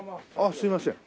すいません。